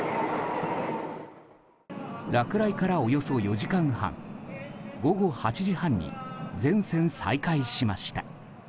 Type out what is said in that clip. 落雷からおよそ４時間半午後８時半に全線再開しました。